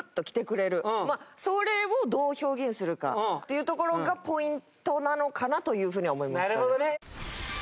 それをどう表現するかっていうところがポイントなのかなというふうには思いますかね。